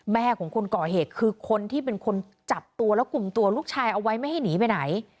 แม่ของคนก่อเหตุคือคนที่เป็นคนจับตัวแล้วกลุ่มตัวลูกชายเอาไว้ไม่ให้หนีไปไหน